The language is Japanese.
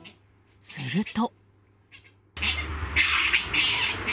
すると。